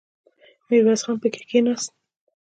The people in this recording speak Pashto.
ميرويس خان پکې کېناست.